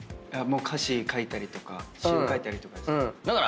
歌詞書いたりとか詞を書いたりとかですか。